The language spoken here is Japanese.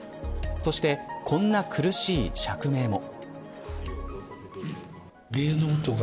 そして、こんな苦しい釈明も。